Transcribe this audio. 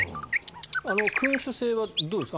君主制はどうですか？